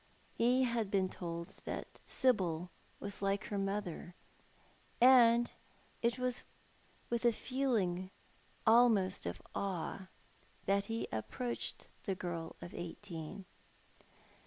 He had been told that Sibyl was like her mother, and it was with a feeling almost of awe that he approached the girl of eighteen.